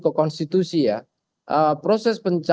ke konstitusi ya proses